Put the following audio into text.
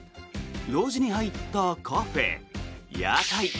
路地に入ったカフェ、屋台。